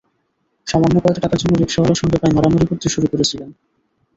সামান্য কয়টা টাকার জন্য রিকশাওয়ালার সঙ্গে প্রায় মারামারি করতে শুরু করেছিলেন।